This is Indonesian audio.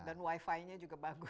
dan wifi nya juga bagus